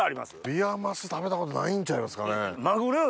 ビワマス食べたことないんちゃいますかね。